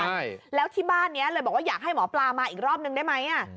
ใช่แล้วที่บ้านเนี้ยเลยบอกว่าอยากให้หมอปลามาอีกรอบนึงได้ไหมอ่ะ